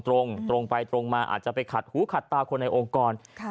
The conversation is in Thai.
ตรงตรงไปตรงมาอาจจะไปขัดหูขัดตาคนในองค์กร